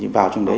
vào trong đấy